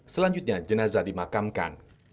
selanjutnya jenazah dimakamkan